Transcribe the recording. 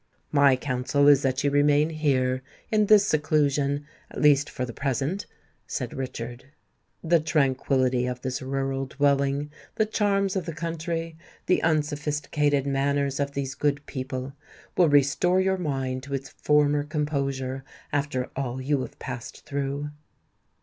"My counsel is that you remain here—in this seclusion,—at least for the present," said Richard. "The tranquillity of this rural dwelling—the charms of the country—the unsophisticated manners of these good people, will restore your mind to its former composure, after all you have passed through."